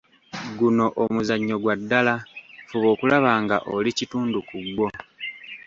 Guno omuzannyo gwa ddala, fuba okulaba nga oli kitundu ku gwo.